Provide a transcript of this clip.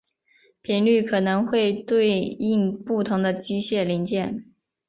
频率可能会对应不同的机械零件。